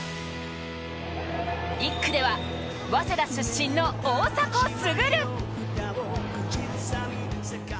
１区では早稲田出身の大迫傑。